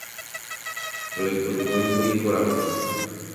Roipykúikuri korapy.